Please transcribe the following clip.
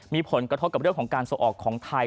มีผลกระทบกับเรื่องของการส่งออกของไทย